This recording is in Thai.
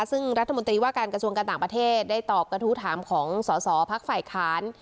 ซึ่งรัฐมนตรีว่าการกระทรวงการต่างประเทศได้ตอบกระทู้ถามของสอสอพักฝ่ายค้าน